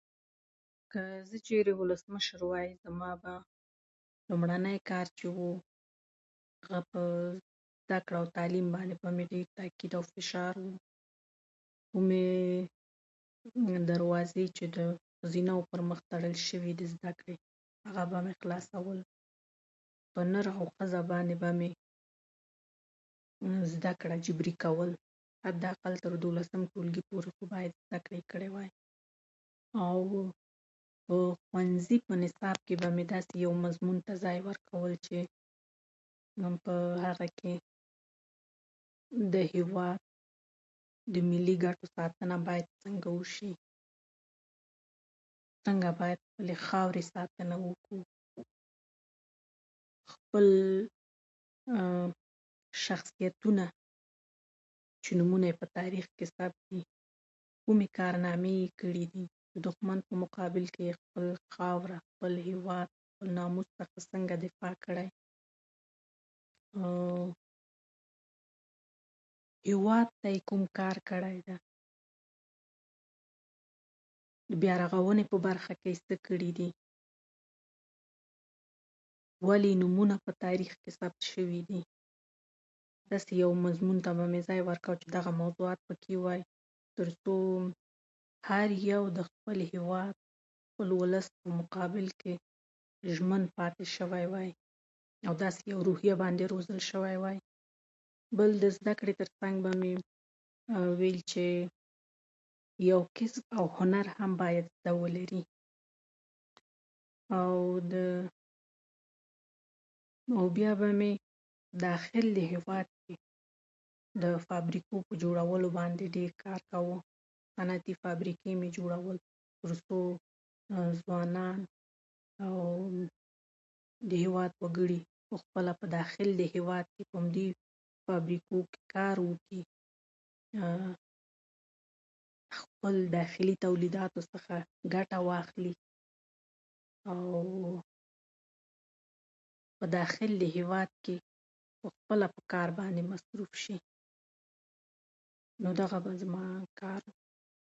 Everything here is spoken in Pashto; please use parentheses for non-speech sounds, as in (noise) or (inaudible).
که چېرې ولسمشر وای، نو ما به لومړنی کار چې و، نو هغه به زده کړه او تعلیم باندې به مې ډېر فشار وي، او هم به مې دروازې چې د ښځینه وو پر مخ تړل شوي دي، هغه به مې خلاصولې. په نر او ښځه باندې به مې زده کړه جبري کول، او تر دوولسم ټولګي پورې یې باید زده کړې کړې وای. او د ښوونځي په نصاب کې مې داسې یو نصاب ته ځای ورکاوه چې په هغه کې د هېواد کې د ملي ګټو ساتنه باید وشي، څنګه باید د خاورې ساتنه باید وکړو، خپل (hesitation) شخصیتونه چې نومونه یې په تاریخ کې ثبت دي، کومې کارنامې یې کړي دي، دښمن په مقابل کې یې خپله خاوره او ناموس په وړاندې یې څنګه دفاع کړې، نو هېواد ته یې کوم کار کړی ده، بیارغونه په برخه کې یې څه کړي دي، ولې یې نومونه په تاریخ کې ثبت شوي دي. داسې یو مضمون ته به مې ځای ورکاوه چې داسې موضوعات پکې وای، تر څو هر څوک ژمن پاتې شوی وای او داسې یو روحیه باندې روزل شوی وای. بل به مې د زده کړو تر څنګ ویل چې یو کسب او هنر هم باید زده ولري، او د بیا به همې داخل د هېواد کې د فابریکو په جوړولو باندې ډېر کار کاوه، صنعتي فابریکې مې جوړولې، تر څو ځوانان او د هېواد وګړي خپله د داخل د هېواد کې چې دي، په فابریکو کې کار وکړي، او خپل داخلي تولیداتو څخه ګټه واخلي، او په داخل د هېواد کې په خپله په کار باندې مصروف شي. نو دغه به زما کار و.